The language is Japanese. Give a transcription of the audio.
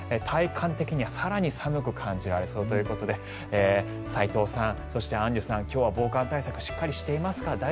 体感的には更に寒く感じられそうということで斎藤さん、そしてアンジュさん今日は防寒対策しっかりしていますか？